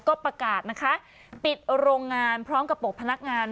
ก็ประกาศนะคะปิดโรงงานพร้อมกับปกพนักงาน